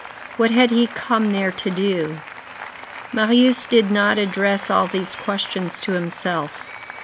What had he come there to do? Marius did not address all these questions to himself.